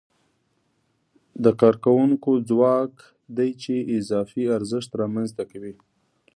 د کارکوونکو ځواک دی چې اضافي ارزښت رامنځته کوي